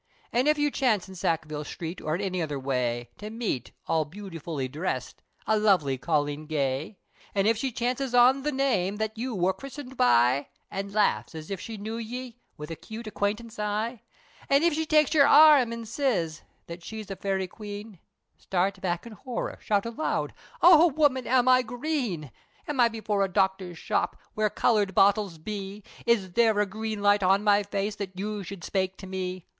And if you chance in Sackville Sthreet, Or any other way, To meet, all beautifully dhrest, A lovely colleen gay; An' if she chances on the name, That you wor christened by, An' laughs, as if she knew ye, With a cute acquaintance eye, An' if she takes your arm, an' siz, That she's a Fairy Queen, Start back in horror, shout aloud, O woman am I green! Am I before a doctor's shop, Where coloured bottles be? Is there a green light, on my face, That you should spake to me?